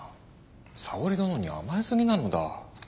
沙織殿に甘えすぎなのだ。